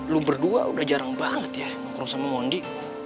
lu berdua udah jarang banget ya nongkrong sama mondi